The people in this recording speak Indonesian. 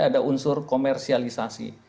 ada unsur komersialisasi